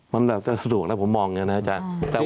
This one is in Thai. มันแบบจะสะดวกนะผมมองอย่างนี้นะอาจารย์